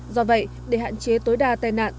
do vậy để hạn chế tối đa tai nạn